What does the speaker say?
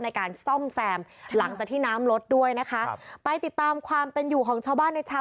ในการซ่อมแซมหลังจากที่น้ำลดด้วยนะคะครับไปติดตามความเป็นอยู่ของชาวบ้านในชาว